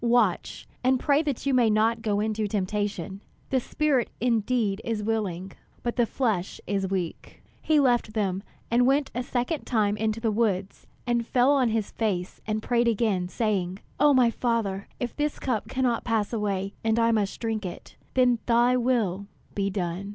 Watch and pray that you may not go into temptation. The spirit indeed is willing, but the flesh is weak." He left them, and went a second time into the woods, and fell on his face, and prayed again, saying: "O my Father, if this cup cannot pass away, and I must drink it, then thy will be done."